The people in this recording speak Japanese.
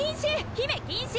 姫禁止！